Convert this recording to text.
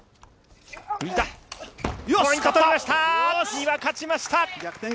丹羽、勝ちました！